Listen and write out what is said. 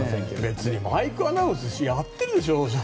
別にマイクアナウンスしょっちゅうやってるでしょ。